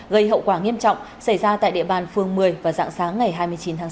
gây hậu quả nghiêm trọng xảy ra tại địa bàn phường một mươi và dạng sáng ngày hai mươi chín tháng chín